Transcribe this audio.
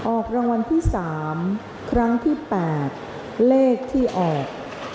ออกรางวัลที่๓ครั้งที่๘เลขที่ออก๘๕๗๕๑๑๘๕๗๕๑๑